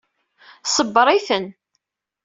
Ṣebber-iten.